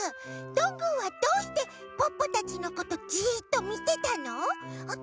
どんぐーはどうしてポッポたちのことじっとみてたの？